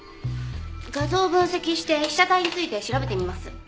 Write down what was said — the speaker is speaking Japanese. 画像を分析して被写体について調べてみます。